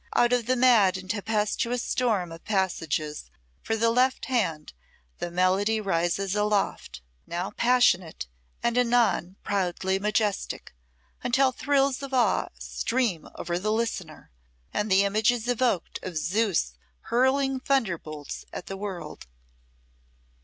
Out of the mad and tempestuous storm of passages for the left hand the melody rises aloft, now passionate and anon proudly majestic, until thrills of awe stream over the listener, and the image is evoked of Zeus hurling thunderbolts at the world."